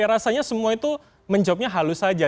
rasanya semua itu menjawabnya halus saja